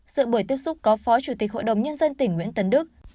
sự buổi tiếp xúc có phó chủ tịch hội đồng nhân dân tỉnh nguyễn tấn đức